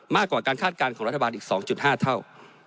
มากกว่าการคาดการณ์ของรัฐบาลอีก๒๕เท่า